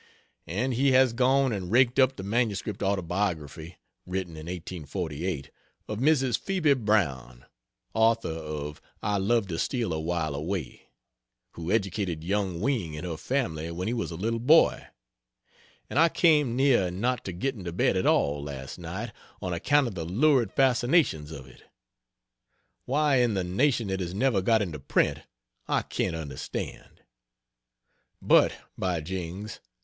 And he has gone and raked up the MS autobiography (written in 1848,) of Mrs. Phebe Brown, (author of "I Love to Steal a While Away,") who educated Yung Wing in her family when he was a little boy; and I came near not getting to bed at all, last night, on account of the lurid fascinations of it. Why in the nation it has never got into print, I can't understand. But, by jings!